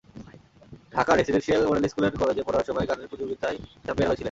ঢাকার residential model school and কলেজে পড়ার সময় গানের প্রতিযোগিতায় চ্যাম্পিয়ন হয়েছিলেন।